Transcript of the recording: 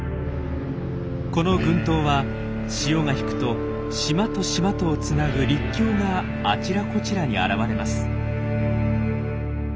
この群島は潮が引くと島と島とをつなぐ陸橋があちらこちらに現れます。